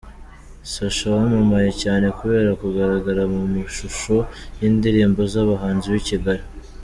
Sacha wamamaye cyane kubera kugaragara mu mashusho y’indirimbo z’abahanzi b’i Kigali.